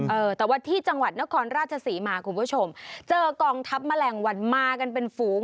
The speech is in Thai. เออแต่ว่าที่จังหวัดนครราชศรีมาคุณผู้ชมเจอกองทัพแมลงวันมากันเป็นฝูง